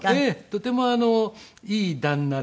とてもいい旦那で。